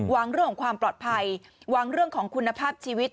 เรื่องของความปลอดภัยวางเรื่องของคุณภาพชีวิต